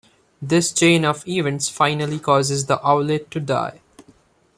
This chain of events finally causes the owlet to die.